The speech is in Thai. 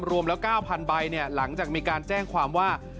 รวมแล้ว๙๐๐ใบหลังจากมีการแจ้งความว่า